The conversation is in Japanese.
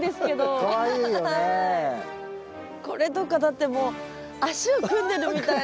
これとかだってもう足を組んでるみたいな。